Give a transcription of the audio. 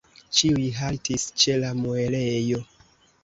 Ĉiuj haltis ĉe la muelejo.